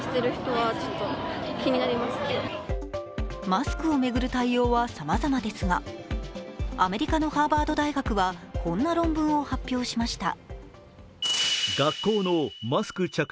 マスクを巡る対応はさまざまですが、アメリカのハーバード大学はこんな論文を発表しました。